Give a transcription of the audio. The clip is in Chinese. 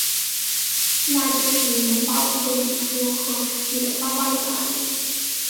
那就是你能把舞会礼服和你的花放在哪里？